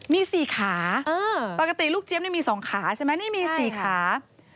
มี๔ขาปกติลูกเจี๊ยมี๒ขาใช่ไหมนี่มี๔ขา